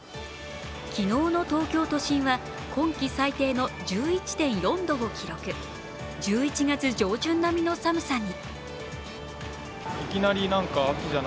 昨日の東京都心は今季最低の１１．４度を記録、１１月上旬並みの寒さに。